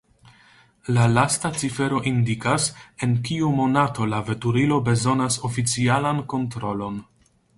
La lasta cifero indikas, en kiu monato la veturilo bezonas oficialan kontrolon.